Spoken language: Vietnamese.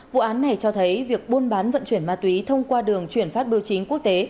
vụ án này cho thấy việc buôn bán vận chuyển ma túy thông qua đường chuyển phát biểu chính quốc tế